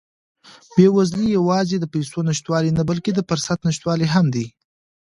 بېوزلي یوازې د پیسو نشتوالی نه، بلکې د فرصت نشتوالی هم دی.